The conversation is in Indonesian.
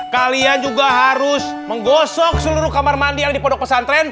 kalian juga harus menggosok seluruh kamar mandi yang di pondok pesantren